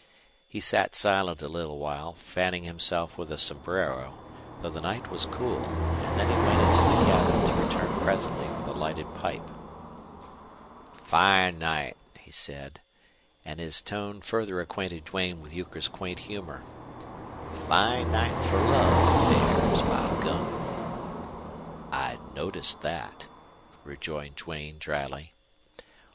He sat silent a little while, fanning himself with a sombrero, though the night was cool, and then he went into the cabin to return presently with a lighted pipe. "Fine night," he said; and his tone further acquainted Duane with Euchre's quaint humor. "Fine night for love affairs, by gum!" "I'd noticed that," rejoined Duane, dryly.